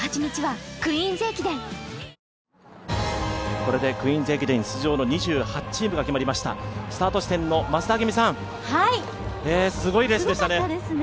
これで「クイーンズ駅伝」出場の２８チームが決まりましたスタート地点の増田明美さん、すごいレースでしたね。